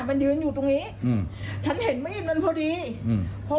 มันยืนอยู่ตรงนี้อืมฉันเห็นมีดมันพอดีอืมพอ